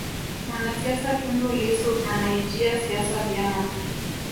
mwanasiasa tundu lissu anaijia siasa vyema